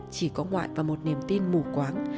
chỉ có ngoại và một niềm tin mù quáng